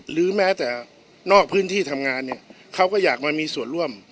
แม้แต่นอกพื้นที่ทำงานเนี่ยเขาก็อยากมามีส่วนร่วม